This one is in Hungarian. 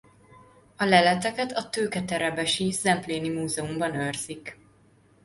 A leleteket a tőketerebesi Zempléni Múzeumban őrzik.